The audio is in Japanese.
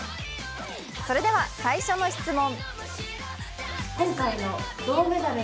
それでは最初の質問。